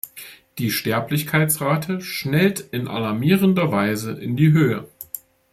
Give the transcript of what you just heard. Die Sterblichkeitsrate schnellt in alarmierender Weise in die Höhe.